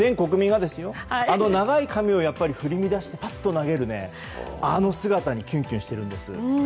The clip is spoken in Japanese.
あの長い髪を振り乱してぱっと投げるあの姿にキュンキュンしているんです。